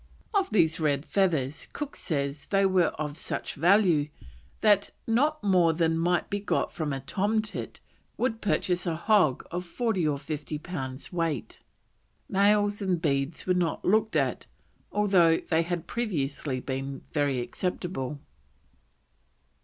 Of these red feathers Cook says they were of such value that "not more than might be got from a tomtit, would purchase a hog of 40 or 50 pounds weight." Nails and beads were not looked at, although they had previously been very acceptable.